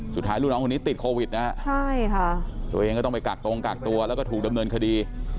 สุดท้ายลูกน้องคนนี้ติดโควิดนะฮะใช่ค่ะตัวเองก็ต้องไปกักตรงกักตัวแล้วก็ถูกดำเนินคดี